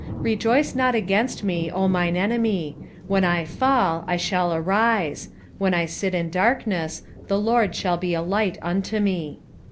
7:8 Rejoice not against me, O mine enemy: when I fall, I shall arise; when I sit in darkness, the LORD shall be a light unto me.